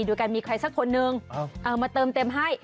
โดยการมีใครสักคนนึงเอามาเติมเต็มให้